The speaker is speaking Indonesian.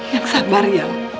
yang sabar ya